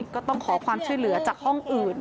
ก็ต้องขอความช่วยเหลือจากห้องอื่น